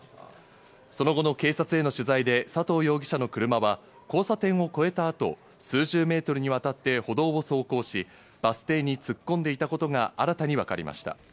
その後の警察への取材で佐藤容疑者の車は交差点を越えた後、数十ｍにわたって歩道を走行し、バス停に突っ込んでいたことが新たに分かりました。